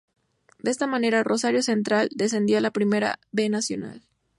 De esa manera, Rosario Central descendió a la Primera B Nacional.